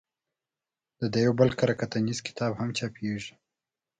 د ده یو بل کره کتنیز کتاب هم چاپېږي.